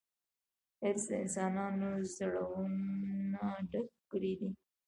حرص د انسانانو زړونه ډک کړي دي.